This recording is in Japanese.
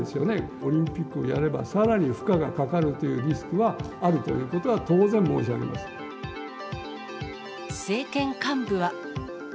オリンピックをやれば、さらに負荷がかかるというリスクはあるということは、当然申し上政権幹部は。